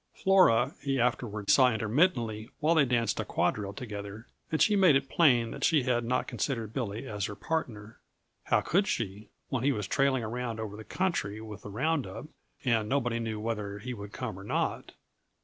Flora he afterward saw intermittently while they danced a quadrille together, and she made it plain that she had not considered Billy as her partner; how could she, when he was trailing around over the country with the round up, and nobody knew whether he would come or not?